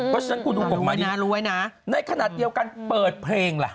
ก็ฉะนั้นคุณลุงกับผมมาดีในขณะเดียวกันเปิดเพลงล่ะ